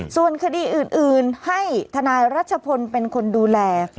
ส่วนคดีอื่นให้ทนายรัชพลเป็นคนดูแล